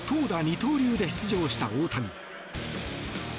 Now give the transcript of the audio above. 二刀流で出場した大谷。